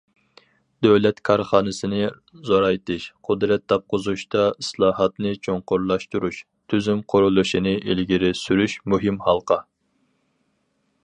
دۆلەت كارخانىسىنى زورايتىش، قۇدرەت تاپقۇزۇشتا ئىسلاھاتنى چوڭقۇرلاشتۇرۇش، تۈزۈم قۇرۇلۇشىنى ئىلگىرى سۈرۈش مۇھىم ھالقا.